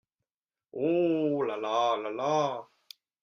Oh ! la-la ! la-la !